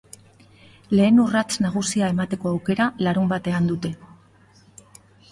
Lehen urrats nagusia emateko aukera larunbatean dute.